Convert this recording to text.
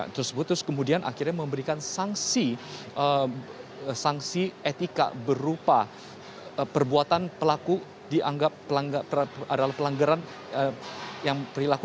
terus putus kemudian akhirnya memberikan sanksi etika berupa perbuatan pelaku dianggap adalah pelanggaran yang berlaku